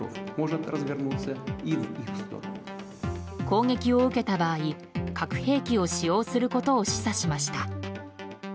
攻撃を受けた場合核兵器を使用することを示唆しました。